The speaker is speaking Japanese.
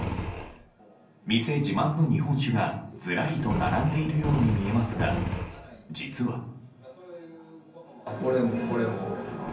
店自慢の日本酒がずらりと並んでいるように見えますが実は。